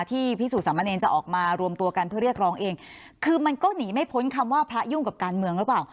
พิสูจนสามเนรจะออกมารวมตัวกันเพื่อเรียกร้องเองคือมันก็หนีไม่พ้นคำว่าพระยุ่งกับการเมืองหรือเปล่า